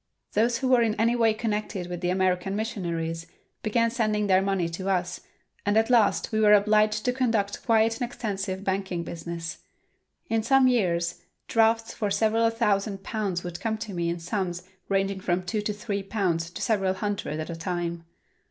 Those who were in any way connected with the American missionaries began sending their money to us, and at last we were obliged to conduct quite an extensive banking business. In some years drafts for several thousand pounds would come to me in sums ranging from two or three pounds to several hundred at a time.